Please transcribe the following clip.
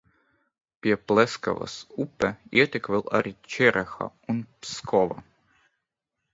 Pie Pleskavas upē ietek vēl arī Čereha un Pskova.